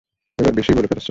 এবার বেশিই বলে ফেলেছ।